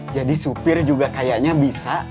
jadi supir juga kayaknya bisa